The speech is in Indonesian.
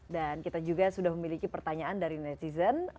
dan kita juga sudah memiliki pertanyaan dari netizen